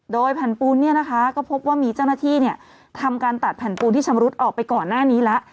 โดยแผ่นปูนเนี่ยนะคะก็พบว่ามีเจ้าหน้าที่ทำการตัดแผ่นปูนที่ชำรุดออกไปก่อนหน้านี้แล้ว